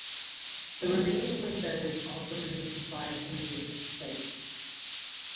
The remaining windows are dominated by images of saints.